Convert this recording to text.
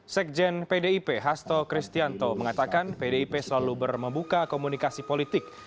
sekjen pdip hasto kristianto mengatakan pdip selalu membuka komunikasi politik